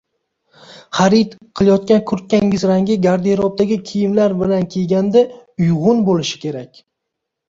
Xarid qilayotgan kurtkangiz rangi garderobdagi kiyimlar bilan kiyganda uyg‘un ko‘rinishi kerak